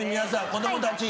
子供たち。